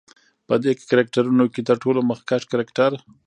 په دې کرکترونو کې تر ټولو مخکښ کرکتر